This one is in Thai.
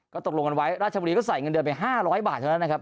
ก็ตกลงกันไว้ราชบุรีก็ใส่เงินเดือนไป๕๐๐บาทเท่านั้นนะครับ